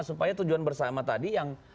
supaya tujuan bersama tadi yang